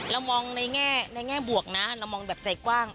เรามองในแง่บวกนะเรามองแบบใจกว้าง